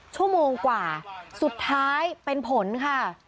ชั่วโมงกว่าสุดท้ายเป็นผลค่ะ